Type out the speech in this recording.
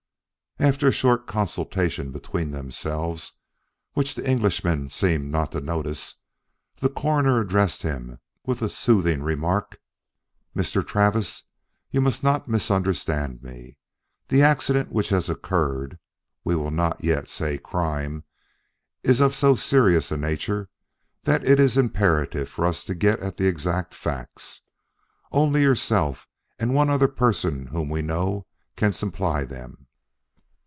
After a short consultation between themselves, which the Englishman seemed not to notice, the Coroner addressed him with the soothing remark: "Mr. Travis, you must not misunderstand me. The accident which has occurred (we will not yet say crime) is of so serious a nature that it is imperative for us to get at the exact facts. Only yourself and one other person whom we know can supply them.